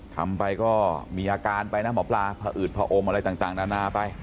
ทำไปก็มีอาการไปนะหมอปลาผอืดผอมอะไรต่างนานาไป